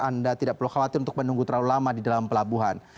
anda tidak perlu khawatir untuk menunggu terlalu lama di dalam pelabuhan